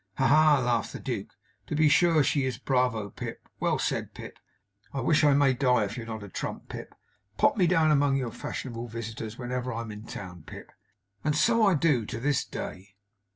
"Ha, ha!" laughed the Duke. "To be sure she is. Bravo, Pip. Well said Pip. I wish I may die if you're not a trump, Pip. Pop me down among your fashionable visitors whenever I'm in town, Pip." And so I do, to this day.